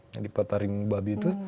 jadi petaring babi itu